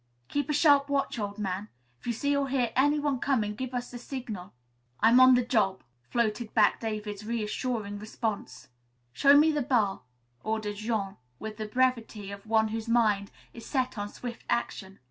"Keep a sharp watch, old man. If you see or hear anyone coming, give us the signal." "I'm on the job," floated back David's reassuring response. "Show to me the bar," ordered Jean with the brevity of one whose mind is set on swift action.